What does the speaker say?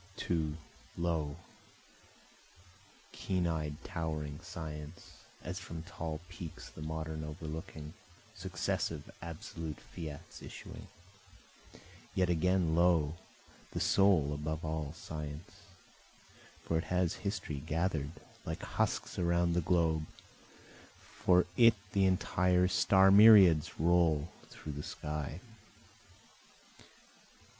2 Lo! keen eyed towering science, As from tall peaks the modern overlooking, Successive absolute fiats issuing. Yet again, lo! the soul, above all science, For it has history gather'd like husks around the globe, For it the entire star myriads roll through the sky.